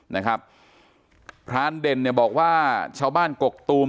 นะครับพรานเด่นเนี่ยบอกว่าชาวบ้านกกตูม